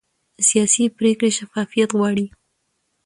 سیاسي پرېکړې شفافیت غواړي